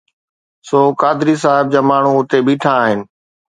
سو قادري صاحب جا ماڻهو اتي بيٺا آهن.